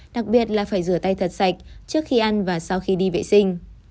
đặc biệt là phải rửa tay thật sạch trước khi ăn và sau khi đi vệ sinh